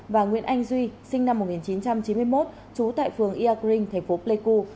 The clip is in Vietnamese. và nguyễn anh duy sinh năm một nghìn chín trăm chín mươi một trú tại phường iagring thành phố pleiku